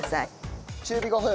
中火５分！